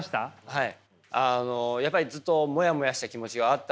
はい。